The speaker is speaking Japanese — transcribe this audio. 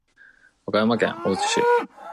和歌山県太地町